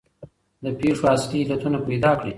د پېښو اصلي علتونه پیدا کړئ.